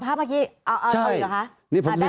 ตั้งแต่เริ่มมีเรื่องแล้ว